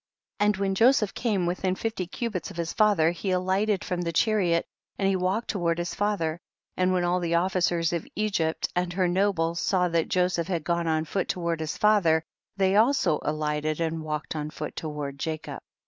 1 1 . And when Joseph came within fifty cubits of his father, he alighted from the chariot and he walked to ward his father, and when all the of ficers of Egypt and her nobles saw that Joseph had gone on foot toward his father, they also alighted and walked on foot toward Jacob.